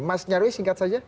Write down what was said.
mas nyarwi singkat saja